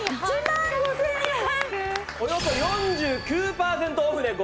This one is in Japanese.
およそ４９パーセントオフでございます。